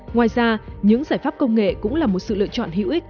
ngoài ra những giải pháp công nghệ cũng là một sự lựa chọn hữu ích